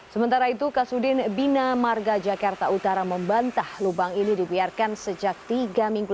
sementara itu kasudin bina marga jakarta utara membantah lubang ini dibiarkan sejak tiga minggu